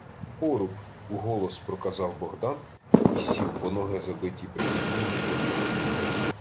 — Поруб, — уголос проказав Богдан і сів, бо ноги, забиті при падінні, боліли.